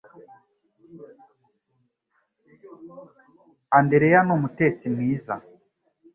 Andrea ni umutetsi mwiza